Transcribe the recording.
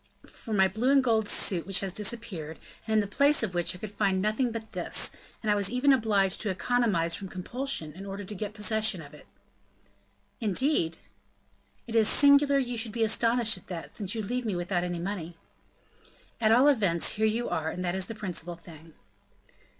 "For my blue and gold suit, which has disappeared, and in the place of which I could find nothing but this; and I was even obliged to economize from compulsion, in order to get possession of it." "Indeed?" "It is singular you should be astonished at that, since you leave me without any money." "At all events, here you are, and that is the principal thing."